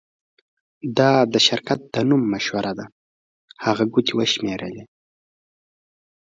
دا د شرکت د نوم مشوره ده هغې ګوتې وشمیرلې